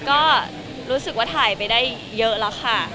ก็รู้สึกว่าถ่ายไปได้เยอะแล้วค่ะ